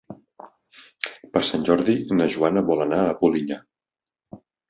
Per Sant Jordi na Joana vol anar a Polinyà.